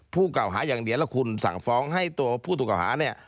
เก่าหาอย่างเดียวแล้วคุณสั่งฟ้องให้ตัวผู้ถูกเก่าหาเนี่ย